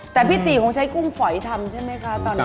แต่พี่ตีติคงต้องใช้กุ้งไฝ่ทำใช่ไหมคะตอนยาก